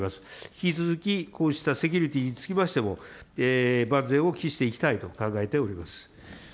引き続きこうしたセキュリティーにつきましても、万全を期していきたいと考えております。